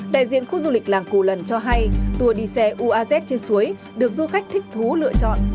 đại diện khu du lịch làng cù lần cho hay tour đi xe uaz trên suối được du khách thích thú lựa chọn